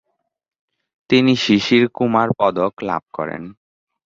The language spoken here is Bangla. তিনি 'শিশির কুমার পদক' লাভ করেন।